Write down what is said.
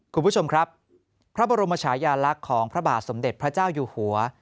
คุณผู้ชมครับพระบรมชายาลักษณ์ของพระบาทสมเด็จพระเจ้าอยู่หัว